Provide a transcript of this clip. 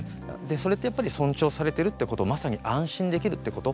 それってやっぱり尊重されてるってことまさに安心できるってこと。